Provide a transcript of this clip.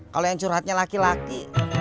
kalau yang curhatnya laki laki